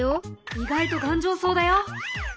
意外と頑丈そうだよ。